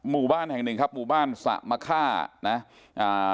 หมู่บ้านแห่งหนึ่งครับหมู่บ้านสะมะค่านะอ่า